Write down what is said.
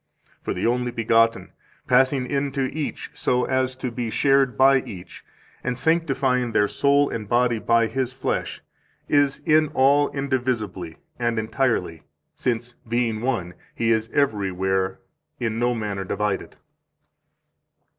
For the Only begotten, passing into each so as to be shared by each, and sanctifying their soul and body by His flesh, is in all indivisibly and entirely, since, being one, He is everywhere in no manner divided."